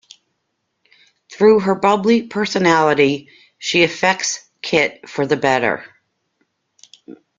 Through her bubbly personality, she affects Kit for the better.